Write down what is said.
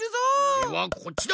おれはこっちだ！